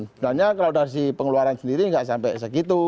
sebenarnya kalau dari pengeluaran sendiri nggak sampai segitu